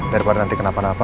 daripada nanti kenapa napa